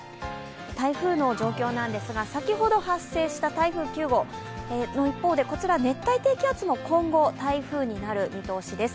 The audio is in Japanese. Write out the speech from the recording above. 台風の状況なんですが、先ほど発生した台風９号の一方で、熱帯低気圧も今後、台風になる見通しです。